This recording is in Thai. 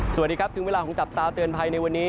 สวัสดีครับถึงเวลาของจับตาเตือนภัยในวันนี้